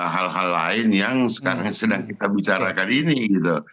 hal hal lain yang sekarang sedang kita bicarakan ini gitu